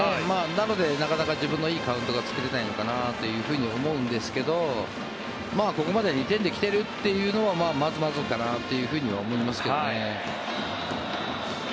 なので、なかなか自分のいいカウントが作れないのかなと思うんですけどここまで２点で来てるっていうのはまずまずかなとは思いますけどね。